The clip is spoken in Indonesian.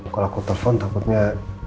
kalau aku telepon takutnya